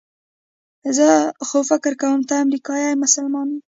زه خو فکر کوم ته امریکایي مسلمانه یې.